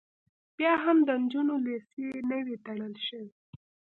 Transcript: بیا هم د نجونو لیسې نه وې تړل شوې